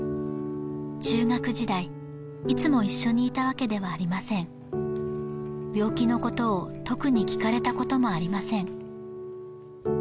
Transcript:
中学時代いつも一緒にいたわけではありません病気のことを特に聞かれたこともありません